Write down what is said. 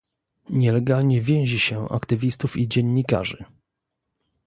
Nielegalnie więzi się aktywistów i dziennikarzy